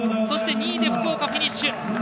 そして、２位で福岡フィニッシュ。